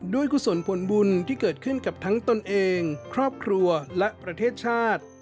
กุศลผลบุญที่เกิดขึ้นกับทั้งตนเองครอบครัวและประเทศชาติ